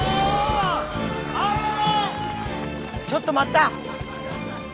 ちょっと待った！